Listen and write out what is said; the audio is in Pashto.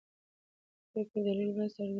د پرېکړې دلیل باید څرګند وي.